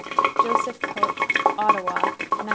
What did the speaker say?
JOSEPH POPE. OTTAWA, 1914.